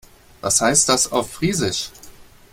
Was heißt das auf Friesisch?